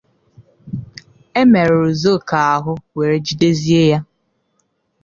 E merụrụ Dzhokhar ahụ were jidezie ya